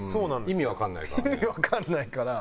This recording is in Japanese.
意味わかんないから。